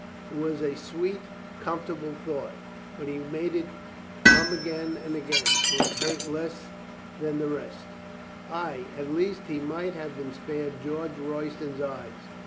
It was a sweet, comfortable thought. But he made it come again and again, for it hurt less than the rest. The rest ... Ay, at least he might have been spared George Royston's eyes.